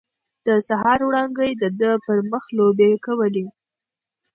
د سهار وړانګې د ده پر مخ لوبې کولې.